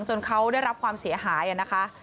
จนเขาได้รับความเสียหายนะคะ